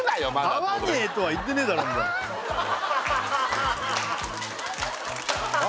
合わねえとは言ってねえだろみたいなあ